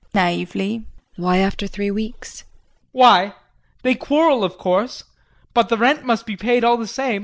JULIE [Naively]. Why after three weeks? JEAN. Why? They quarrel of course, but the rent must be paid all the same.